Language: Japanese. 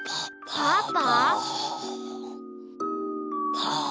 パパ。